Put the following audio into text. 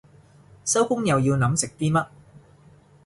收工又要諗食啲乜